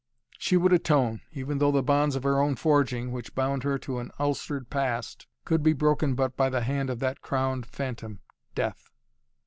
She would atone, even though the bonds of her own forging, which bound her to an ulcered past, could be broken but by the hand of that crowned phantom: Death.